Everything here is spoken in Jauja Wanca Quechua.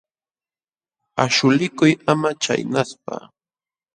Aśhulikuy ama chaynaspa.